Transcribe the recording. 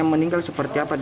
yang meninggal seperti apa